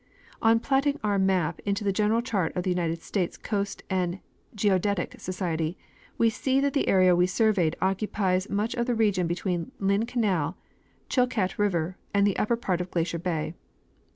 On platting our map into the general chart of the United States Coast and Geodetic Survey, we see that the area we surveyed "occupies much of the region between Lynn canal, Chilcat river, and the upper part of Glacier bay.